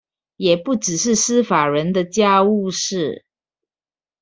也不只是司法人的家務事